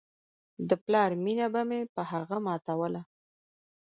د پلار مينه به مې په هغه ماتوله.